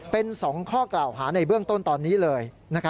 เป็น๒ข้อกล่าวหาในเบื้องต้นตอนนี้เลย